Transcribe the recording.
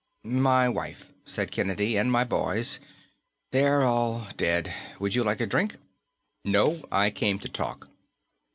"My wife," said Kennedy, "and my boys. They're all dead. Would you like a drink?" "No. I came to talk."